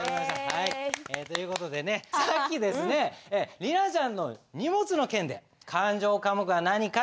という事でねさっきですね莉奈ちゃんの荷物の件で勘定科目は何か？